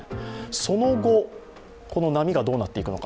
その後、波がどうなっていくのか。